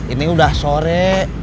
ini udah sore